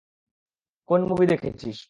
কোন মুভি দেখেছিস?